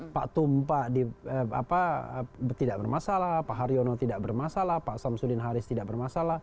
pak tumpak tidak bermasalah pak haryono tidak bermasalah pak samsudin haris tidak bermasalah